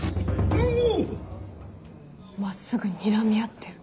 ぬわっ⁉真っすぐにらみ合ってる？